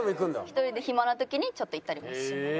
１人で暇な時にちょっと行ったりもします。